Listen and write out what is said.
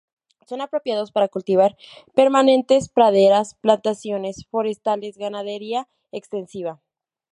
Son apropiados para cultivos permanentes, praderas, plantaciones forestales, ganadería extensiva.